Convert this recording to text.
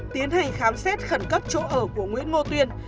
tiến hành khám xét khẩn cấp chỗ ở của nguyễn ngô tuyên